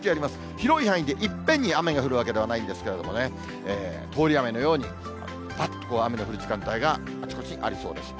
広い範囲でいっぺんに雨が降るわけではないんですけどね、通り雨のようにぱっと雨の降る時間帯が、あちこちにありそうです。